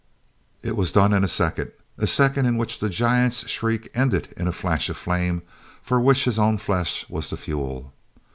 It was done in a second—a second in which the giant's shriek ended in a flash of flame for which his own flesh was the fuel.